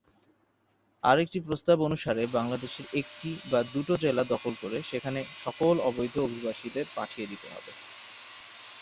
আরেকটি প্রস্তাব অনুসারে বাংলাদেশের একটি বা দুটো জেলা দখল করে সেখানে সকল অবৈধ অভিবাসীদের পাঠিয়ে দিতে হবে।